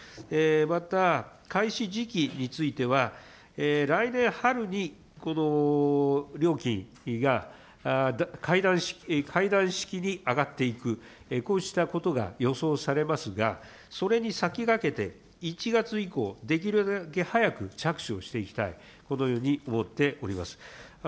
また、開始時期については、来年春に、料金が階段式に上がっていく、こうしたことが予想されますが、それに先がけて１月以降、できるだけはやく着手をしていきたい、このように思っております。